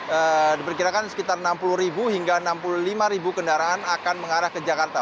jadi diperkirakan sekitar enam puluh hingga enam puluh lima kendaraan akan mengarah ke jakarta